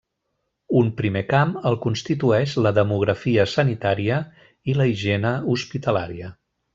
Un primer camp el constitueix la demografia sanitària i la higiene hospitalària.